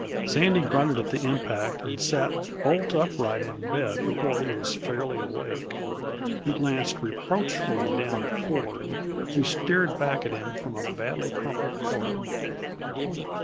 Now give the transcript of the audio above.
Sandy grunted at the impact and sat bolt upright in bed before he was fairly awake. He glanced reproachfully down at Ford, who stared back at him from a badly crumpled pillow.